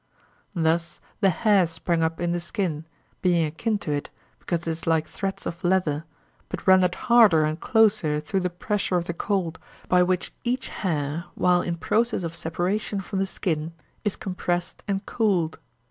Thus the hair sprang up in the skin, being akin to it because it is like threads of leather, but rendered harder and closer through the pressure of the cold, by which each hair, while in process of separation from the skin, is compressed and cooled.